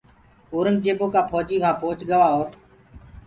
اورنٚگجيبو ڪآ ڦوجيٚ اوچتو وهآن پُهچ گوآ اور